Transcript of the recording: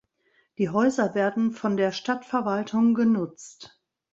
Die Häuser werden von der Stadtverwaltung genutzt.